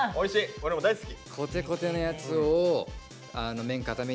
俺も大好き。